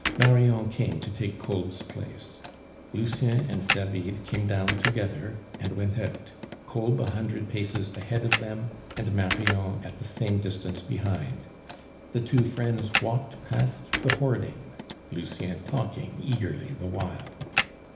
Marion came to take Kolb's place. Lucien and David came down together and went out, Kolb a hundred paces ahead of them, and Marion at the same distance behind. The two friends walked past the hoarding, Lucien talking eagerly the while.